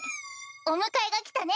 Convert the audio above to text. お迎えが来たね！